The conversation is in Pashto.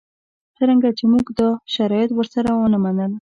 څرنګه چې موږ دا شرایط ورسره ونه منل.